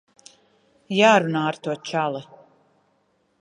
Jārunā ar to čali.